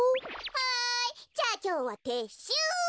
はいじゃあきょうはてっしゅう。